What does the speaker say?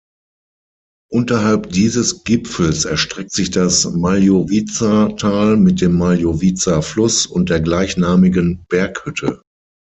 Unterhalb dieses Gipfels erstreckt sich das Maljowiza-Tal mit dem Maljowiza-Fluss und der gleichnamigen Berghütte.